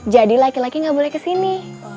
jadi laki laki gak boleh ke sini